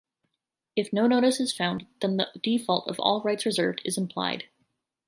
If no notice is found, then the default of "All rights reserved" is implied.